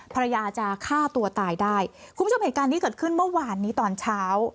ภรรยาจะฆ่าตัวตายได้คุณผู้ชมเหตุการณ์นี้เกิดขึ้นเมื่อวานนี้ตอนเช้า